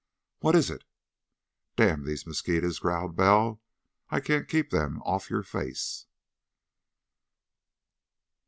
"What is it?" "Damn these mosquitos," growled Bell. "I can't keep them off your face!"